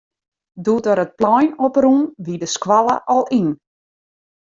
Doe't er it plein op rûn, wie de skoalle al yn.